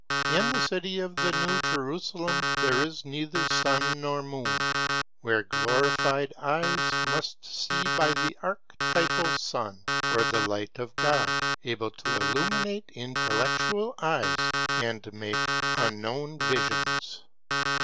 In the city of the new Jerusalem there is neither sun nor moon; where glorified eyes must see by the archetypal sun, or the light of God, able to illuminate intellectual eyes, and make unknown visions.